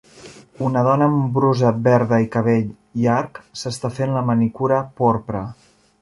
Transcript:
Una dona amb brusa verda i cabell llarg s'està fent la manicura porpra.